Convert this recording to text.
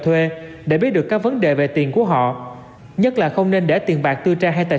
thuê để biết được các vấn đề về tiền của họ nhất là không nên để tiền bạc tư trang hay tài